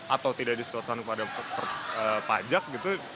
atau tidak disetorkan kepada pajak gitu